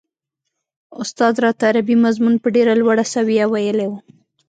استاد راته عربي مضمون په ډېره لوړه سويه ويلی و.